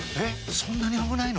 そんなに危ないの？